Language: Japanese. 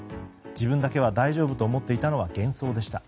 自分だけは大丈夫と思っていたのは幻想でした。